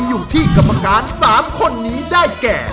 อยู่ที่กรรมการ๓คนนี้ได้แก่